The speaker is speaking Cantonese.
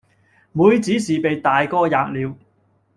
妹子是被大哥喫了，